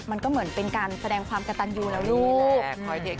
มันก็เหมือนเป็นการแสดงความกระตันยูนะลูก